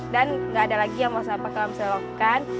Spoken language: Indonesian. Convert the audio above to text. dan tidak ada lagi yang mau sampah di dalam selokan